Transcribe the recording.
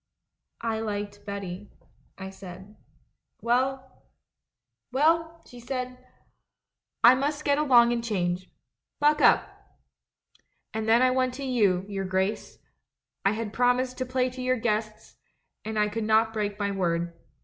'I liked Betty,' I said. ... 'Well *<(( 1 A LETTER TO THE DUCHESS 199 It i^ 'Well,' she said, 'I must get along and change. Buck up !' "And then I went to you, your Grace; I had promised to play to your guests, and I could not break my word.